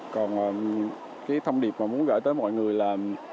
còn cái thông điệp mà muốn gửi tới mọi người là